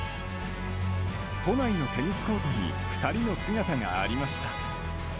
都内のテニスコートに２人の姿がありました。